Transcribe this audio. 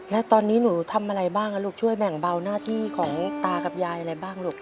แล้วตอนนี้หนูทำอะไรบ้างลูกช่วยแบ่งเบาหน้าที่ของตากับยายอะไรบ้างลูก